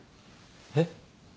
えっ？